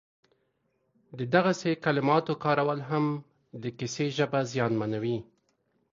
د دغسې کلماتو کارول هم د کیسې ژبه زیانمنوي